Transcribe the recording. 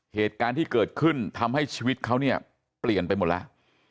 เหตุการณ์ที่เกิดขึ้นทำให้ชีวิตเขาเนี่ยเปลี่ยนไปหมดแล้ว